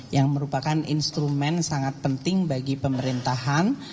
yang merupakan instrumen sangat penting bagi pemerintahan